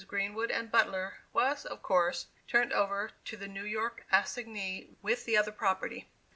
Greenwood and Butler, was, of course, turned over to the New York assignee with the other property.